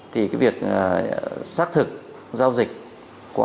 thì việc xác thực giao dịch